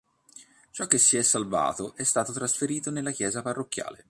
Ciò che si è salvato è stato trasferito nella chiesa parrocchiale.